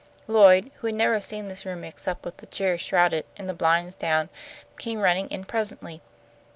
Lloyd, who had never seen this room except with the chairs shrouded and the blinds down, came running in presently.